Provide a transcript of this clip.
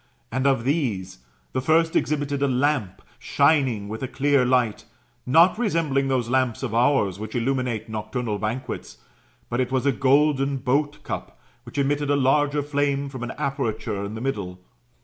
And of these, the first exhibited a lamp shining with a clear light, not resembling those lamps of ours which illuminate nocturnal banquets ; but it was a golden boat cup, which emitted a larger flame from an aperture in the middle.